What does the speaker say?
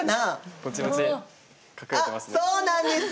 あっそうなんです